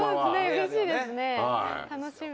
うれしいですね楽しみ。